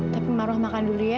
tapi marwah makan dulu ya